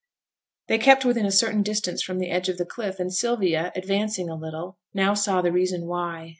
They kept within a certain distance from the edge of the cliff, and Sylvia, advancing a little, now saw the reason why.